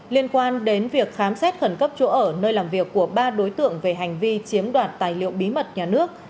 liên quan đến việc khám xét khẩn cấp chỗ ở nơi làm việc của ba đối tượng về hành vi chiếm đoạt tài liệu bí mật nhà nước